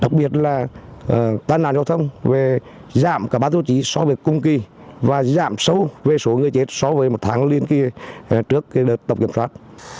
đặc biệt là tai nạn giao thông về giảm cả bán thuốc trí so với cung kỳ và giảm sâu về số người chết so với một tháng liên kỳ trước đợt tập kiểm soát